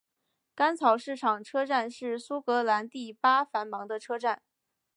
干草市场车站是苏格兰第八繁忙的车站。